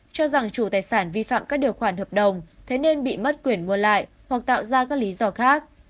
cho rằng chủ tài sản vi phạm các điều khoản hợp đồng thế nên bị mất quyền mua lại hoặc tạo ra các lý do khác